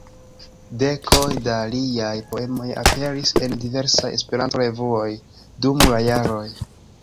Dekoj da liaj poemoj aperis en diversaj Esperanto-revuoj dum la jaroj.